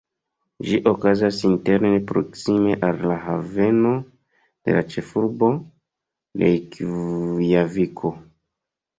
Ĝi okazas interne proksime al la haveno de la ĉefurbo, Rejkjaviko.